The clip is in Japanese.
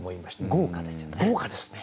豪華ですね。